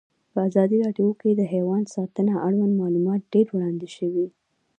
په ازادي راډیو کې د حیوان ساتنه اړوند معلومات ډېر وړاندې شوي.